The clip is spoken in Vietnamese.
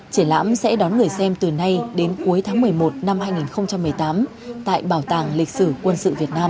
triển lãm sẽ đón người xem từ nay đến cuối tháng một mươi một năm hai nghìn một mươi tám tại bảo tàng lịch sử quân sự việt nam